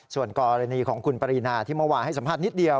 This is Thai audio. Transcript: ส่วนกรณีของคุณปรินาที่เมื่อวานให้สัมภาษณ์นิดเดียว